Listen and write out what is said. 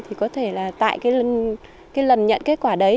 thì có thể là tại cái lần nhận kết quả đấy